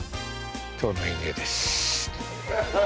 今日の演芸です。